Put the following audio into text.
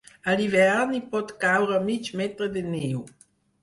A l'hivern, hi pot caure mig metre de neu.